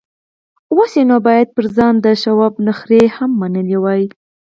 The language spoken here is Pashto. اوس يې نو بايد پر ځان د شواب نخرې هم منلې وای.